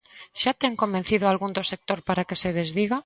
¿Xa ten convencido a algún do sector para que se desdiga?